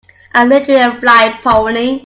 I'm literally a flying pony.